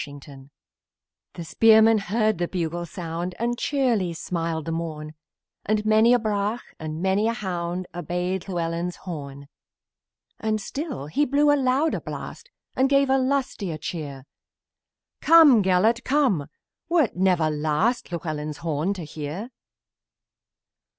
BETH GELERT The spearman heard the bugle sound, And cheerily smiled the morn; And many a brach, and many a hound, Attend Llewellyn's horn: And still he blew a louder blast, And gave a louder cheer: "Come, Gelert! Why art thou the last Llewellyn's horn to hear?